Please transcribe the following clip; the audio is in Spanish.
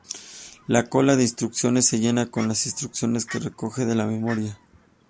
La cola de instrucciones se llena con las instrucciones que recoge de la memoria.